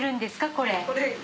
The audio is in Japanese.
これ。